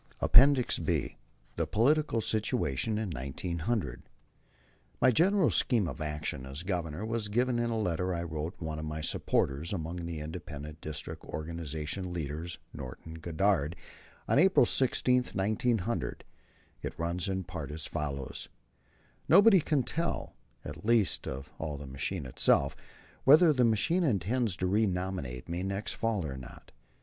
APPENDIX B THE POLITICAL SITUATION IN 1900 My general scheme of action as Governor was given in a letter I wrote one of my supporters among the independent district organization leaders, Norton Goddard, on April 16, 1900. It runs in part as follows: "Nobody can tell, and least of all the machine itself, whether the machine intends to renominate me next fall or not.